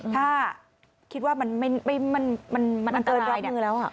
ถ้าคิดว่ามันอันตรายมันเกิดรอบมือแล้ว